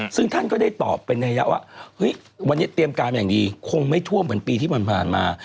ซึ่งท่านก็ได้ตอบเป็นนัยยะว่าเฮ้ยวันนี้เตรียมการมาอย่างดีคงไม่ท่วมเหมือนปีที่ผ่านมา